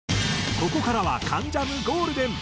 ここからは『関ジャム』ゴールデン。